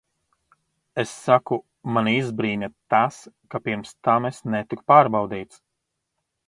Es saku, mani izbrīna tas, ka pirms tam es netiku pārbaudīts.